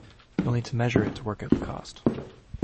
You'll need to measure it to work out the cost.